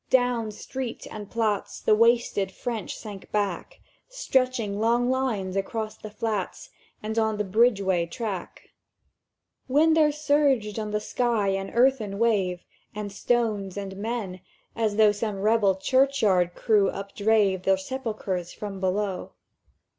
Down street and Platz The wasted French sank back, Stretching long lines across the Flats And on the bridge way track; "When there surged on the sky an earthen wave, And stones, and men, as though Some rebel churchyard crew updrave Their sepulchres from below.